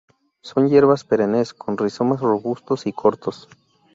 Son hierbas perennes con rizomas robustos y cortos.